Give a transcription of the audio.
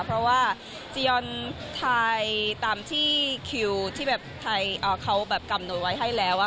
เพราะว่าจียอนถ่ายตามที่คิวที่แบบไทยเขาแบบกำหนดไว้ให้แล้ว